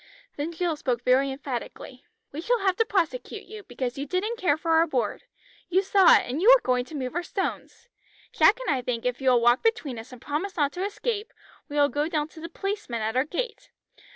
Then Jill spoke very emphatically. "We shall have to prosecute you, because you didn't care for our board. You saw it and you were going to move our stones. Jack and I think if you will walk between us and promise not to escape, we will go down to the policeman at our gate.